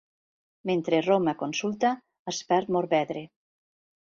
Mentre Roma consulta, es perd Morvedre.